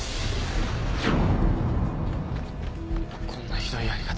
こんなひどいやり方。